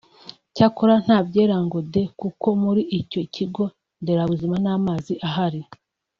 Cyakora nta byera ngo de kuko muri icyo kigo nderabuzima nta mazi ahari